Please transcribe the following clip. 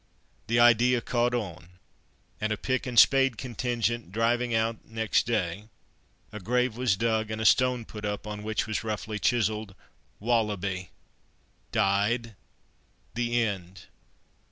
The idea caught on, and a pick and spade contingent driving out next day, a grave was dug and a stone put up, on which was roughly chiselled— "WALLABY—died——" THE END.